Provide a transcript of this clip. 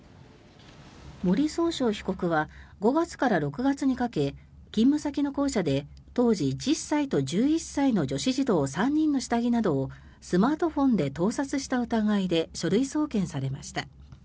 森崇翔被告は５月から６月にかけ勤務先の校舎で当時１０歳と１１歳の女子児童３人の下着などをスマートフォンで盗撮した疑いで書類送検されました。